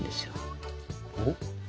おっ？